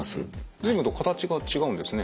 随分と形が違うんですね。